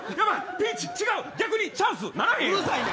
ピンチ違う逆にチャンス、ならへん。